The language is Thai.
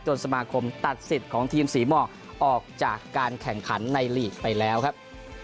สมาคมตัดสิทธิ์ของทีมศรีหมอกออกจากการแข่งขันในลีกไปแล้วครับ